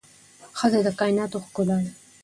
ښځه د کائناتو ښکلا ده